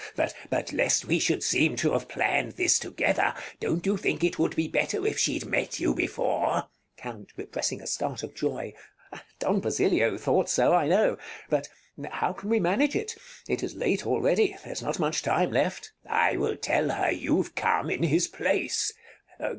But lest we should seem to have planned this together, don't you think it would be better if she'd met you before? Count [repressing a start of joy] Don Basilio thought so, I know. But how can we manage it? It is late already. There's not much time left. Bartolo I will tell her you've come in his place.